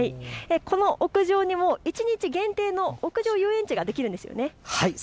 屋上にも一日限定の屋上遊園地ができるんですよね。